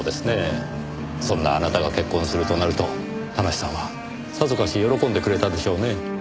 そんなあなたが結婚するとなると田無さんはさぞかし喜んでくれたでしょうね。